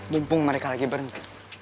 mumpung mereka lagi berhenti